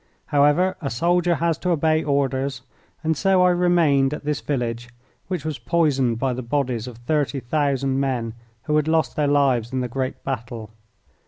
However, a soldier has to obey orders, and so I remained at this village, which was poisoned by the bodies of thirty thousand men who had lost their lives in the great battle.